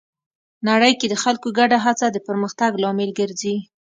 نړۍ کې د خلکو ګډه هڅه د پرمختګ لامل ګرځي.